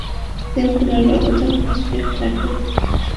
তিন গোলের ব্যবধান ঘুচিয়ে খেলাটিকে অতিরিক্ত সময়ে নিয়ে যাওয়ার কৃতিত্বও দেখিয়েছে।